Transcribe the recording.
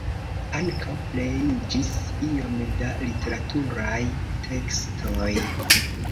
Ankaŭ kreiĝis iom da literaturaj tekstoj.